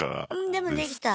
でもできた？